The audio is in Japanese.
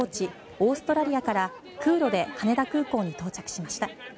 オーストラリアから空路で羽田空港に到着しました。